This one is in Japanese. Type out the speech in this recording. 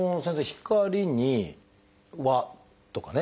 光に輪とかね